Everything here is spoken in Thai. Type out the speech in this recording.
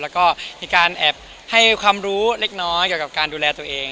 และก็ขายให้ความรู้เล็กน้อยยังการดูแลตัวเอง